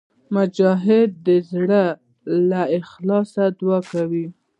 مجاهد د زړه له اخلاصه دعا کوي.